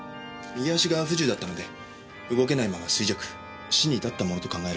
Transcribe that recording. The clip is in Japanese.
右足が不自由だったので動けないまま衰弱死にいたったものと考えられます。